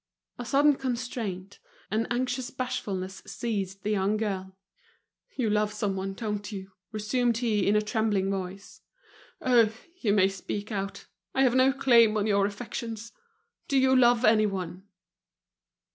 A sudden constraint, an anxious bashfulness seized the young girl. "You love someone, don't you?" resumed he, in a trembling voice. "Oh! you may speak out; I have no claim on your affections. Do you love anyone?"